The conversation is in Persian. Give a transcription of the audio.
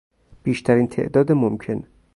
بیشترین تعداد ممکن